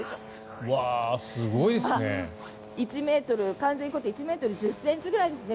１ｍを完全に超えて１ｍ１０ｃｍぐらいですね